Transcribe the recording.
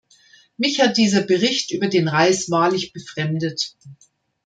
Mich hat dieser Bericht über den Reis wahrlich befremdet.